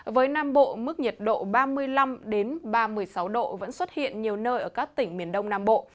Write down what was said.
với nam bộ mức nhiệt độ ba mươi năm ba mươi sáu độ vẫn xuất hiện nhiều nơi ở các tỉnh miền đông nam bộ